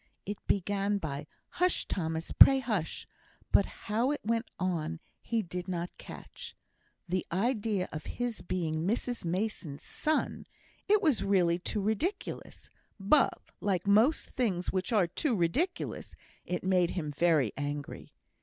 It began by "Hush, Thomas; pray hush!" but how it went on he did not catch. The idea of his being Mrs Mason's son! It was really too ridiculous; but, like most things which are "too ridiculous," it made him very angry.